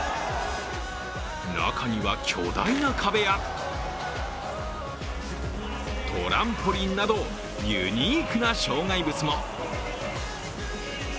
中には巨大な壁や、トランポリンなどユニークな障害物も。